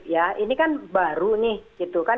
ya ini kan baru nih gitu kan